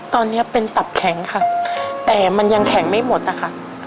ตอนนี้เป็นตับแข็งค่ะแต่มันยังแข็งไม่หมดนะคะ